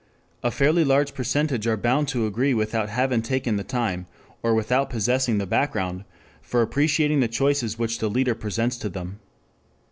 A fairly large percentage are bound to agree without having taken the time, or without possessing the background, for appreciating the choices which the leader presents to them.